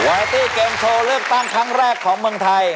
ไรตี้เกมโชว์เลือกตั้งครั้งแรกของเมืองไทย